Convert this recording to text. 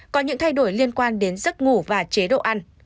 có những thay đổi liên quan đến giấc ngủ và chế độ ăn